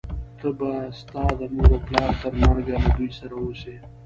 ته به ستا د مور و پلار تر مرګه له دوی سره اوسې،